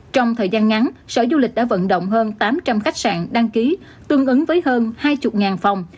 trong thời gian ngắn sở du lịch đã vận động hơn tám trăm linh khách sạn đăng ký tương ứng với hơn hai mươi phòng